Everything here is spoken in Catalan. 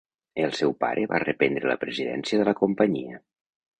El seu pare va reprendre la presidència de la companyia.